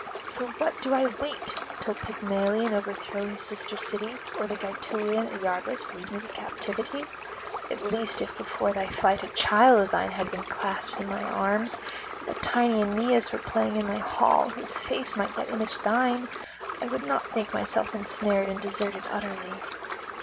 For what do I wait? till Pygmalion overthrow his sister's city, or Gaetulian Iarbas lead me to captivity? At least if before thy flight a child of thine had been clasped in my arms, if a tiny Aeneas were playing in my hall, whose face might yet image thine, I would not think myself ensnared and deserted utterly.'